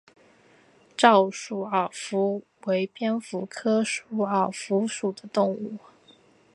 沼鼠耳蝠为蝙蝠科鼠耳蝠属的动物。